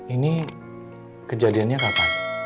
ini kejadiannya kapan